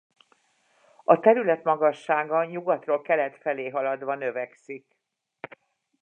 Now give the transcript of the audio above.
A terület magassága nyugatról kelet felé haladva növeszik.